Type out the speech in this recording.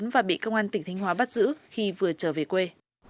và bị công an tỉnh thanh hóa bắt giữ khi vừa trở về quê